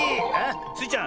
スイちゃん